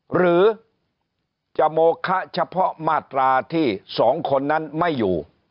หรือจะโมคะเฉพาะมาตราที่๒คนนั้นไม่อยู่